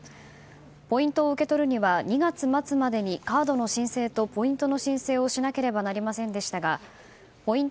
ポイントを受け取るには２月末までにカードの申請とポイントの申請をしなければなりませんでしたがポイント